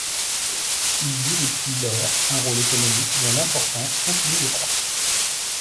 Il joue depuis lors un rôle économique dont l'importance continue de croître.